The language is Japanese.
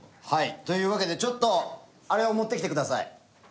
というわけでちょっとあれを持ってきてください。